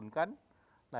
jadi kita bisa turunkan